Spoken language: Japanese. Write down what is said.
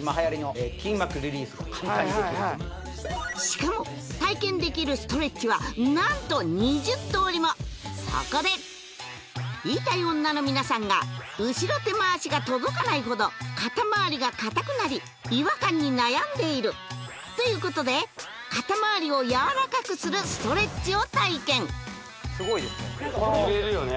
今はやりの筋膜リリースが簡単にできるしかも体験できるストレッチは何と２０通りもそこで言いたい女の皆さんが後ろ手回しが届かないほど肩周りが硬くなり違和感に悩んでいるということで肩周りをやわらかくするストレッチを体験揺れるよね